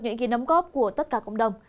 những kỳ nắm góp của tất cả cộng đồng